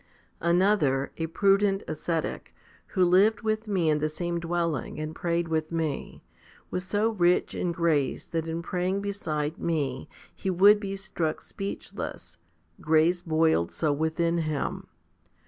16. Another, a prudent ascetic, who lived with me in the same dwelling and prayed 1 i Cor. xiii i ff. HOMILY XXVII 209 with me, was so rich in grace that in praying beside me he would be struck speechless, grace boiled so within him.